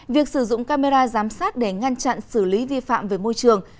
việc sử dụng camera giám sát để ngăn chặn xử lý vi phạm về môi trường